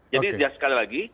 jadi sekali lagi